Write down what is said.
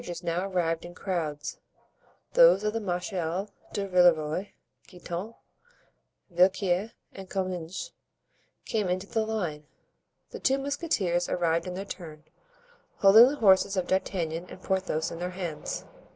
Carriages now arrived in crowds; those of the Marechal de Villeroy, Guitant, Villequier and Comminges came into the line. The two musketeers arrived in their turn, holding the horses of D'Artagnan and Porthos in their hands.